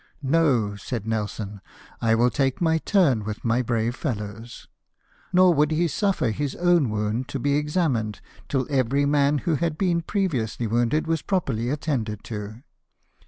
" No !" said Nelson, " I will take my turn with my brave fellows." Nor would he suffer his own wound to be examined till every man who had been pre viously wounded was properly attended to.